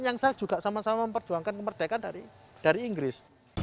yang saya juga sama sama memperjuangkan kemerdekaan dari inggris